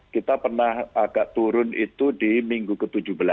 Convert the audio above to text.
kita pernah agak turun itu di minggu ke tujuh belas